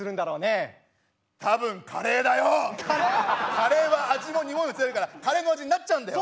カレーは味もにおいも強いからカレーの味になっちゃうんだよ。